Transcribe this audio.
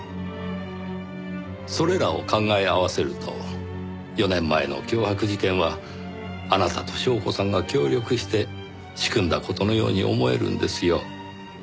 それらを考え合わせると４年前の脅迫事件はあなたと祥子さんが協力して仕組んだ事のように思えるんですよ。